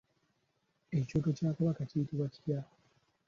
Ekyoto kya Kabaka kiyitibwa kitya?